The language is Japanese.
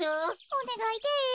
おねがいです。